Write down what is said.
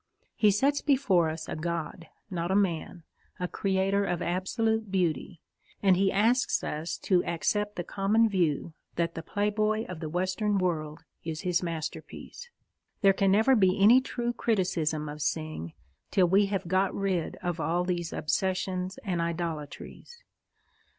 He sets before us a god, not a man a creator of absolute beauty and he asks us to accept the common view that The Playboy of the Western World is his masterpiece. There can never be any true criticism of Synge till we have got rid of all these obsessions and idolatries.